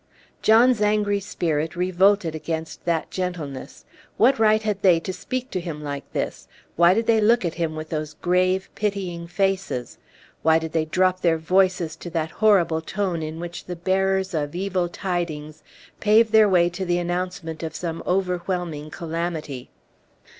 John's angry spirit revolted against that gentleness. What right had they to speak to him like this? Why did they look at him with those grave, pitying faces? Why did they drop their voices to that horrible tone in which the bearers of evil tidings pave their way to the announcement of some overwhelming calamity?